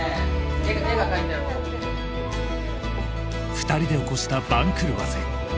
二人で起こした番狂わせ。